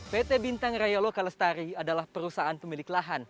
pt bintang raya loka lestari adalah perusahaan pemilik lahan